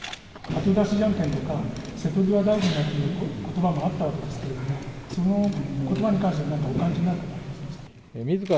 後出しじゃんけんとか、瀬戸際大臣だということばもあったわけですけれども、そのことばに関しては何かお感じになることありませんでしょうか。